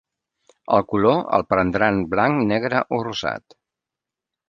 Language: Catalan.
El color, el prendran blanc, negre o rosat?